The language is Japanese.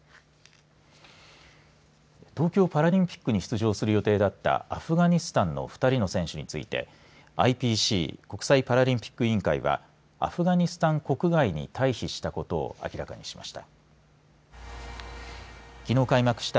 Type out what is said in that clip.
東京パラリンピックに出場する予定だったアフガニスタンの２人の選手についてＩＰＣ国際パラリンピック委員会はアフガニスタン国外に退避したことを明らかにしました。